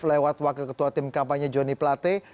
lewat wakil ketua tim kampanye joni plate